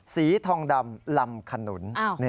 สีทองดำลำขนุน